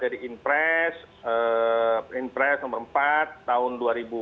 dari impres inpres nomor empat tahun dua ribu dua puluh